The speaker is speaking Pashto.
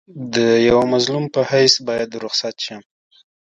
د یوه مظلوم په حیث باید رخصت شم.